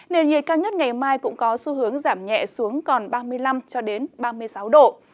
nền nhiệt cao nhất ngày mai cũng có xu hướng giảm nhẹ xuống còn ba mươi năm độ